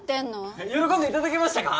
喜んでいただけましたか？